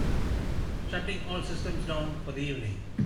Shutting all systems down for the evening.